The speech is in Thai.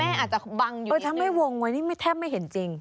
แม่อาจจะบังอยู่อีกนึงนะครับถ้าไม่วงไว้นี่แทบไม่เห็นจริง